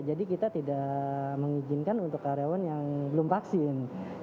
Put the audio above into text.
jadi kita tidak mengizinkan untuk karyawan yang belum vaksin